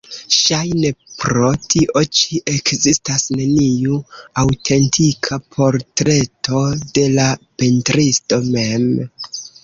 Ŝajne pro tio ĉi ekzistas neniu aŭtentika portreto de la pentristo mem.